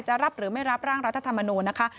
รับหรือไม่รับร่างรัฐธรรมนูญนะคะ